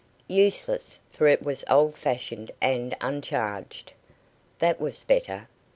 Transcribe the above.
Useless, for it was old fashioned and uncharged. That was better!